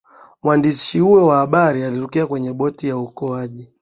mwandishi huyo wa habari alirukia kwenye boti ya uokoaji